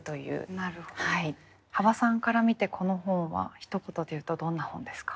幅さんから見てこの本はひと言で言うとどんな本ですか？